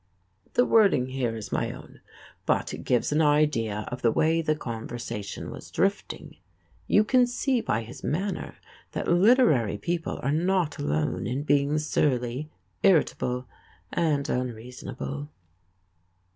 The wording here is my own, but it gives an idea of the way the conversation was drifting. You can see by his manner that literary people are not alone in being surly, irritable and unreasonable.